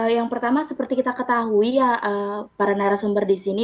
yang pertama seperti kita ketahui ya para narasumber di sini